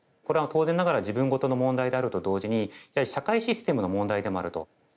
これは当然ながら自分ごとの問題であると同時にやはり社会システムの問題でもあると。